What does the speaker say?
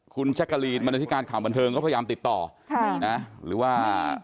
คุณแจ๊กกะลีนบรรณาธิการข่าวบันเทิงก็พยายามติดต่อค่ะนะหรือว่า